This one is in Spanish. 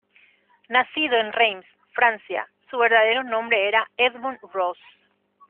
Nacido en Reims, Francia, su verdadero nombre era Edmond Roos.